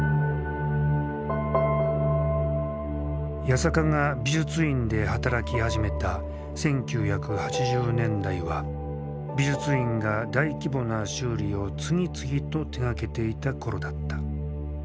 八坂が美術院で働き始めた１９８０年代は美術院が大規模な修理を次々と手がけていた頃だった。